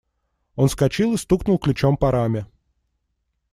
Он вскочил и стукнул ключом по раме.